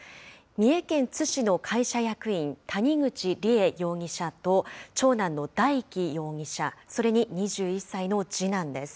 三重県津市の会社役員、谷口梨恵容疑者と、長男の大祈容疑者、それに２１歳の次男です。